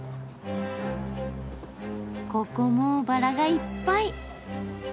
ここもバラがいっぱい！